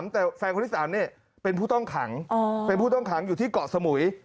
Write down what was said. แต่แฟนคนที่๓เป็นผู้ต้องขังเป็นผู้ต้องขังอยู่ที่เกาะสมุย